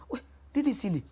wih dia disini